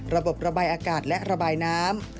ระบบระบายอากาศและระบายน้ำ